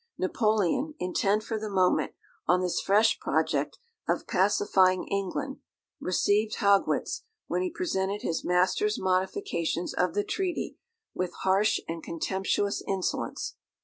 Napoleon, intent for the moment on this fresh project of pacifying England, received Haugwitz, when he presented his master's modifications of the treaty, with harsh and contemptuous insolence.